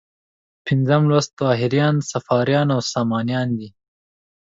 پنځم لوست طاهریان، صفاریان او سامانیان دي.